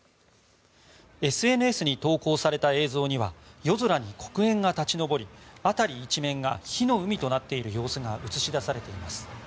ＳＮＳに投稿された映像には夜空に黒煙が立ち上り辺り一面が火の海となっている様子が映し出されています。